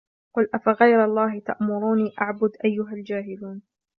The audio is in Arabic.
قل أفغير الله تأمروني أعبد أيها الجاهلون